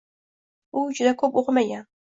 U juda ko‘p o‘qimagan.